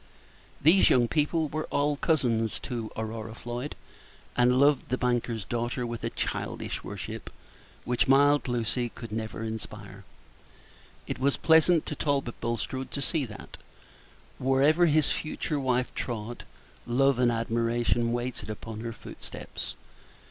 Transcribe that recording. These young people were all cousins to Aurora Floyd, and loved the banker's daughter with a childish worship, which mild Lucy could never inspire. It was pleasant to Talbot Bulstrode to see that, wherever his future wife trod, love and admiration waited upon her footsteps.